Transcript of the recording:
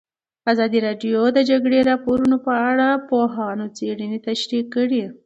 ازادي راډیو د د جګړې راپورونه په اړه د پوهانو څېړنې تشریح کړې.